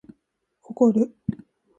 怒る